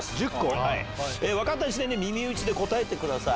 分かった時点で耳打ちで答えてください。